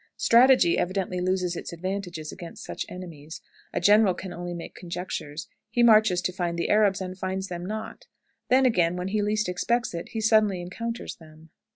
"Strategy evidently loses its advantages against such enemies; a general can only make conjectures; he marches to find the Arabs, and finds them not; then, again, when he least expects it, he suddenly encounters them.